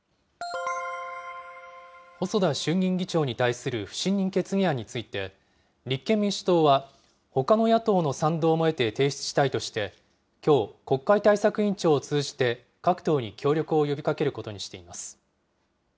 細田衆議院議長に対する不信任決議案について、立憲民主党は、ほかの野党の賛同も得て提出したいとして、きょう、国会対策委員長を通じて、各党に協力を呼びかけることにしています。